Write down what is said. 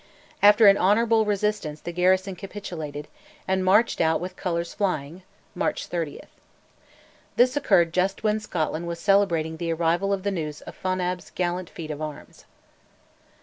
After an honourable resistance the garrison capitulated, and marched out with colours flying (March 30). This occurred just when Scotland was celebrating the arrival of the news of Fonab's gallant feat of arms.